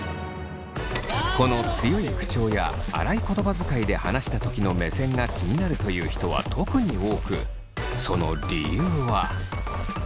この強い口調や荒い言葉遣いで話したときの目線が気になるという人は特に多くその理由は。